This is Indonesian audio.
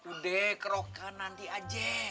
udah kerokan nanti aja